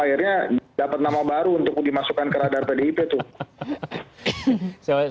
akhirnya dapat nama baru untuk dimasukkan ke radar pdip tuh